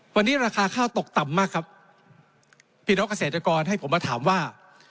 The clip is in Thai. วันนี้ราคาข้าวตกต่ำมากครับพี่น้องเกษตรกรให้ผมมาถามว่า